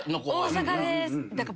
大阪です。